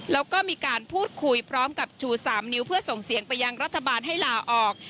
แล้วก็มีการพูดคุยพร้อมกับชู๓นิ้วเพื่อส่งเสียงไปยังรัฐบาลให้ลาออก